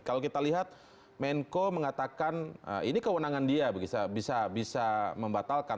kalau kita lihat menko mengatakan ini kewenangan dia bisa membatalkan